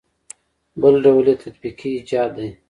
بل ډول یې تطبیقي ایجاد دی.